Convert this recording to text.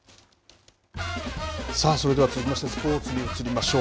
さあ、それでは続きまして、スポーツに移りましょう。